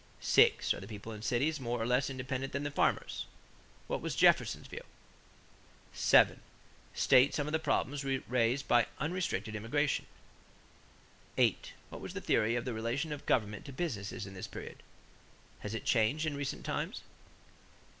6. Are the people in cities more or less independent than the farmers? What was Jefferson's view? 7. State some of the problems raised by unrestricted immigration. 8. What was the theory of the relation of government to business in this period? Has it changed in recent times?